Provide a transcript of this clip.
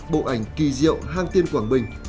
bộ ảnh kỳ diệu hang tiên quảng bình